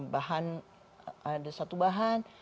bahan ada satu bahan